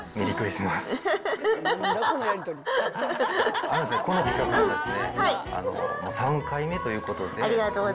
この企画もですね、もう３回目ということで。